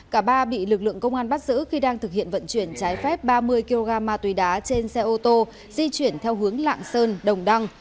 cả ba bị lực lượng công an bắt giữ khi đang thực hiện vận chuyển trái phép ba mươi kg ma túy đá trên xe ô tô di chuyển theo hướng lạng sơn đồng đăng